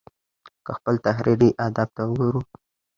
که خپل تحريري ادب ته وګورو